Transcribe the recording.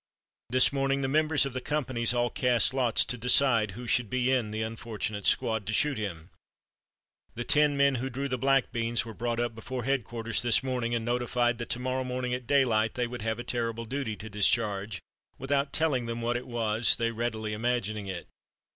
This morning the members of the companies all cast lots to decide who should be in the unfortunate squad to shoot him. The ten men who drew the black beans were brought up before headquarters this morning and notified that to morrow morning at daylight they would have a terrible duty to discharge, without telling them what it was, they readily imagining it.